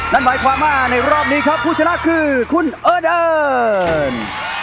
นั่นหมายความว่าในรอบนี้ครับผู้ชนะคือคุณเออเดิร์น